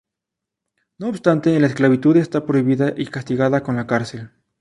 No obstante, la esclavitud está prohibida y castigada con la cárcel.